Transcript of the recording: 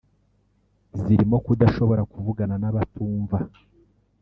zirimo kudashobora kuvugana n’abatumva